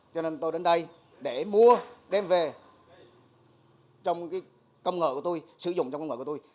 cho nên tôi đến đây để mua đem về trong công nghệ của tôi sử dụng trong công nghệ của tôi